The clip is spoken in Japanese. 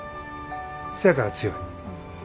せやから強い。